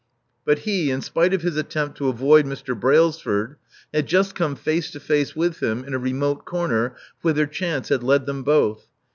But he, in spite of his attempt to avoid Mr. Brailsford, had just come face to face with him in a remote corner whither chance had led them both.